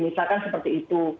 misalkan seperti itu